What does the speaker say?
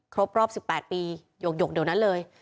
ครบรอบ๑๘ปีหยกเดี๋ยวนั้นเลย